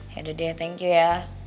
yaudah deh thank you ya